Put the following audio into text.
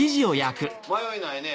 迷いないね。